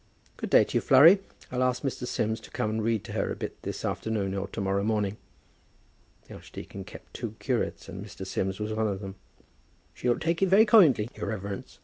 "Good day to you, Flurry. I'll ask Mr. Sims to come and read to her a bit this afternoon, or to morrow morning." The archdeacon kept two curates, and Mr. Sims was one of them. "She'll take it very kindly, your reverence.